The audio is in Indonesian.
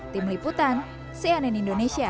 tim liputan cnn indonesia